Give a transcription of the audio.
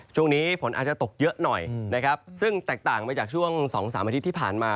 ช่วงนี้ฝนอาจจะตกเยอะหน่อยนะครับซึ่งแตกต่างไปจากช่วง๒๓อาทิตย์ที่ผ่านมา